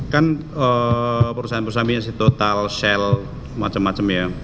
kan perusahaan perusahaan punya total sel macam macam ya